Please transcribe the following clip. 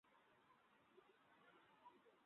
তিনি পোপের কাছ থেকে আশীর্বাদ পান ।